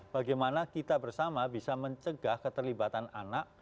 bagaimana kita bersama bisa mencegah keterlibatan anak